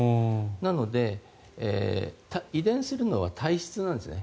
なので、遺伝するのは体質なんですよね。